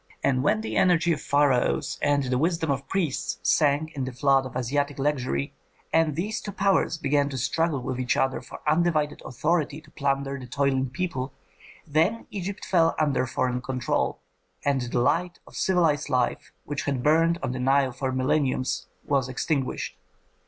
And when the energy of pharaohs and the wisdom of priests sank in the flood of Asiatic luxury, and these two powers began to struggle with each other for undivided authority to plunder the toiling people, then Egypt fell under foreign control, and the light of civilized life, which had burnt on the Nile for millenniums, was extinguished.